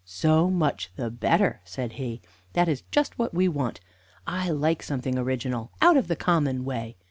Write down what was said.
"So much the better," said he; "that is just what we want. I like something original, out of the common way.